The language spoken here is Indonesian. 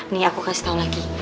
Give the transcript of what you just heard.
nih aku kasih tahu lagi